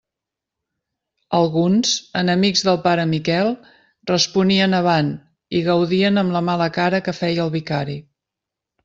Alguns, enemics del pare Miquel, responien «Avant!», i gaudien amb la mala cara que feia el vicari.